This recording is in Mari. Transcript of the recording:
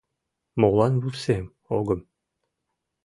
— Молан вурсем, огым.